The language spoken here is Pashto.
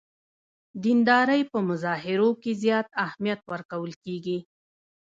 دیندارۍ په مظاهرو کې زیات اهمیت ورکول کېږي.